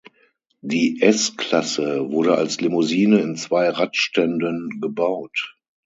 Die "S-Klasse" wurde als Limousine in zwei Radständen gebaut.